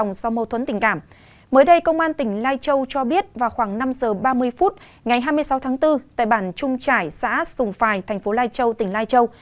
ngày hai mươi sáu tháng bốn tại bản trung trải xã sùng phài thành phố lai châu tỉnh lai châu